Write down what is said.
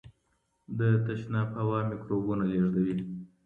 د تشناب هوا میکروبونه لیږدوي.